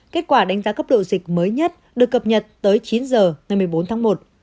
kết quả đánh giá cấp độ dịch mới nhất được cập nhật tới chín giờ ngày một mươi bốn tháng một